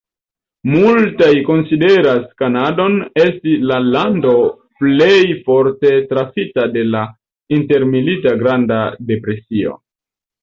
Multaj konsideras Kanadon esti la lando plej forte trafita de la intermilita Granda depresio.